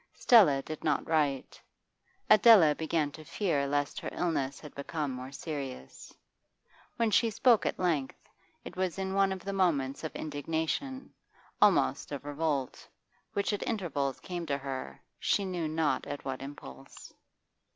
Stella did not write; Adela began to fear lest her illness had become more serious. When she spoke at length, it was in one of the moments of indignation, almost of revolt, which at intervals came to her, she knew not at what impulse.